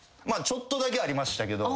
ちょっとだけありましたけど。